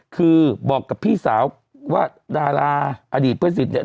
คือบอกกับพี่สาวว่าดาราอดีตเพื่อนศิษย์เนี่ย